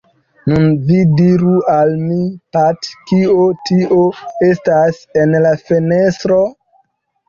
“Nun, vi diru al mi, Pat, kio tio estas en la fenestro?”